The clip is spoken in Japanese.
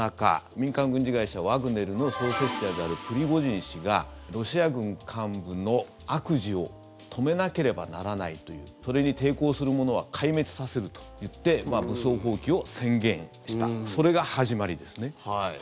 民間軍事会社ワグネルの創設者であるプリゴジン氏がロシア軍幹部の悪事を止めなければならないというそれに抵抗する者は壊滅させると言って武装蜂起を宣言したそれが始まりですね。